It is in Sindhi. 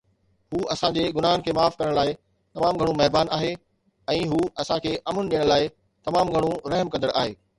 هو اسان جي گناهن کي معاف ڪرڻ لاء تمام گهڻو مهربان آهي، ۽ هو اسان کي امن ڏيڻ لاء تمام گهڻو رحم ڪندڙ آهي